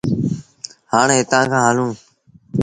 هآڻي هِتآنٚ کآݩ هلونٚ۔